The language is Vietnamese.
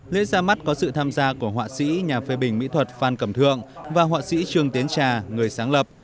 lễ ra mắt có sự tham gia của họa sĩ nhà phê bình mỹ thuật phan cẩm thượng và họa sĩ trương tiến trà người sáng lập